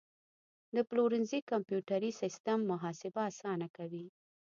د پلورنځي کمپیوټري سیستم محاسبه اسانه کوي.